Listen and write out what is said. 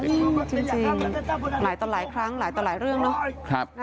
จริงหลายต่อหลายครั้งหลายต่อหลายเรื่องเนอะ